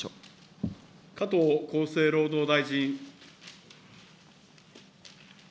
加藤厚生労働大臣。